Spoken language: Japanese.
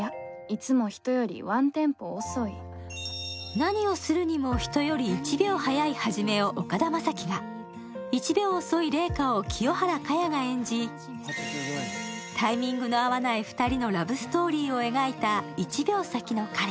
何をするにも人より１秒早いハジメを岡田将生が、１秒遅いレイカを清原果耶が演じ、タイミングの合わない２人のラブストーリーを描いた「１秒先の彼」。